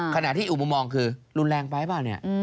ขณะที่อีกมุมมองคือรุนแรงไปเปล่าเนี่ย